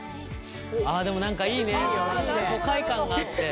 あでも何かいいね都会感があって。